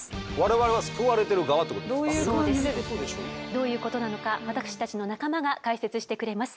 どういうことなのか私たちの仲間が解説してくれます。